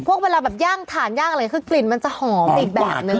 เวลาแบบย่างถ่านย่างอะไรคือกลิ่นมันจะหอมอีกแบบนึง